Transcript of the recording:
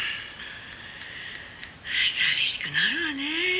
「寂しくなるわね」